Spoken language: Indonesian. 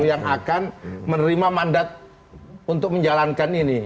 yang akan menerima mandat untuk menjalankan ini